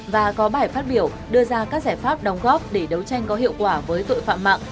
và có bài phát biểu đưa ra các giải pháp đồng góp để đấu tranh có hiệu quả với tội phạm mạng